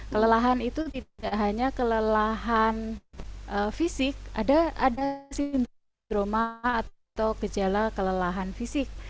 kelelahan itu tidak hanya kelelahan fisik ada sindroma atau gejala kelelahan fisik